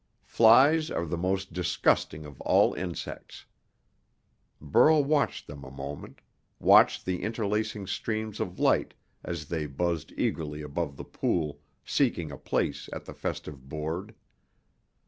Flies are the most disgusting of all insects. Burl watched them a moment, watched the interlacing streams of light as they buzzed eagerly above the pool, seeking a place at the festive board.